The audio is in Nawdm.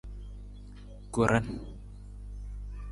Koran.